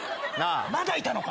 まだいたのか。